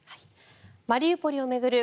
マリウポリを巡る